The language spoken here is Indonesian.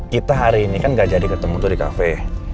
kita hari ini kan gak jadi ketemu tuh di cafe